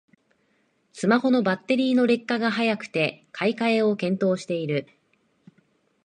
スマホのバッテリーの劣化が早くて買い替えを検討してる